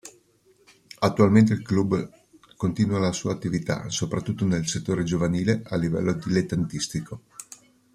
Attualmente il club continua la sua attività, soprattutto nel settore giovanile, a livello dilettantistico.